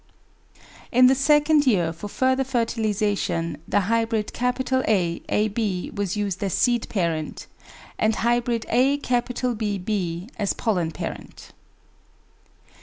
In the second year, for further fertilisation, the hybrid Aab was used as seed parent, and hybrid aBb as pollen parent.